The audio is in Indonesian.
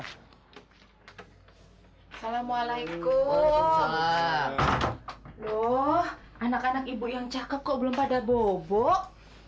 hai assalamualaikum loh anak anak ibu yang cakep kok belum pada bobok